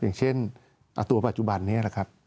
อย่างเช่นตัวปัจจุบันนี้นะครับ